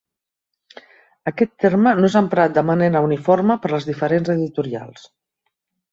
Aquest terme no és emprat de manera uniforme per les diferents editorials.